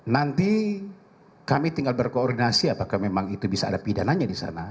nanti kami tinggal berkoordinasi apakah memang itu bisa ada pidananya di sana